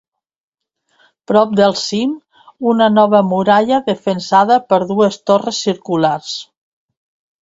Prop del cim, una nova muralla defensada per dues torres circulars.